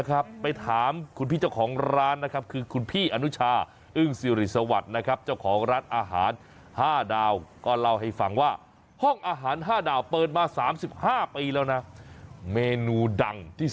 ใครมาถึงก็หยิบเลยอ่ะ